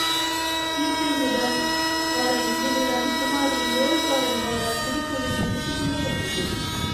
கி.பி.முதல் வரை இவ்விடம் குமாரி ஓர்ல்பார் என்பவரால் குடிக்கூலிக்கு எடுத்துக் கொள்ளப்பட்டது.